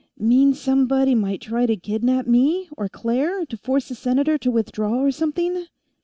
"Mean somebody might try to kidnap me, or Claire, to force the Senator to withdraw, or something?"